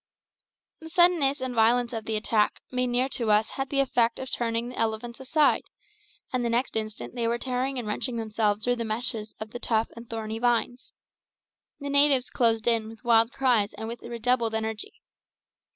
The suddenness and violence of the attack made near to us had the effect of turning the elephants aside, and the next instant they were tearing and wrenching themselves through the meshes of the tough and thorny vines. The natives closed in with wild cries and with redoubled energy.